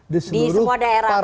di semua daerah